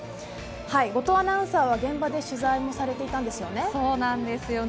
後藤アナウンサーは現場で取材もされていたんですよね。